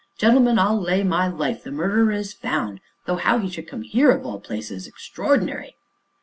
Gentlemen, I'll lay my life the murderer is found though how he should come here of all places extraordinary.